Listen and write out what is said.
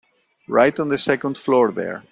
Right on the second floor there.